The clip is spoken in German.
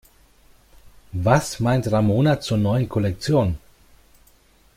Was meint Ramona zur neuen Kollektion?